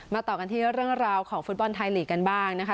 ต่อกันที่เรื่องราวของฟุตบอลไทยลีกกันบ้างนะคะ